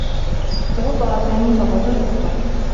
توضّأ سامي مرّة أخرى.